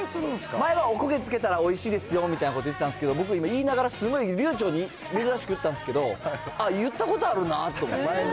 前、おこげつけたら、おいしいですよみたいなこと言ってたんですけど、僕、言いながらすごい流ちょうに、珍しく言ったんですけど、あ、言ったことあるなと思って。